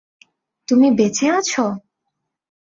তুমি বেঁচে আছ!